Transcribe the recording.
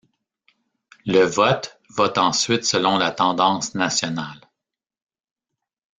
Le vote vote ensuite selon la tendance nationale.